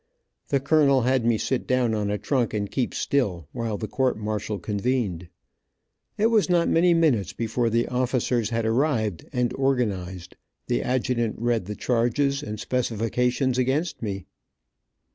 The colonel had me sit down on a trunk and keep still, while the court martial convened. It was not many minutes before the officers had arrived, and organized, the adjutant read the charges and specifications against me.